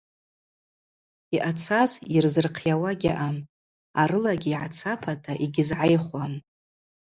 Йъацаз йырзырхъйауа гьаъам, арылагьи йгӏацапата йгьызгӏайхуам.